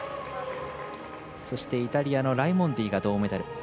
そしてイタリアのライモンディが銅メダル。